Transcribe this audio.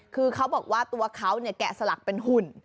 คือเขาบอกว่าตัวเขาแกะสลักเป็นหุ่น